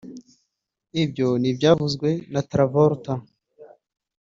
Ibyo ni ibyavuzwe na Travolta